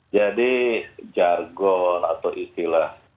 jadi jargon atau istilah